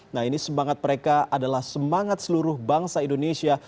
nah ini semangat mereka adalah semangat seluruh bangsa indonesia